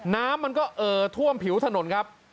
น้ำมันก็เอ่อท่วมผิวถนนครับ